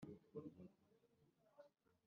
Website www primature gov rw